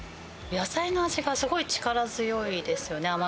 野菜の味がすごい力強いですよね。